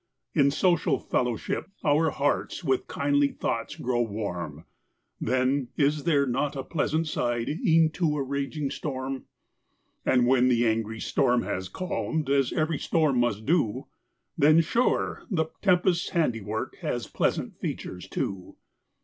In social fellowship, our hearts With kindly thoughts grow warm; Then is there not a pleasant side, E'en to a raging storm? And when the angry storm has calm'd, As ev'ry storm must do, Then, sure, the tempest's handiwork, Has pleasant features, too.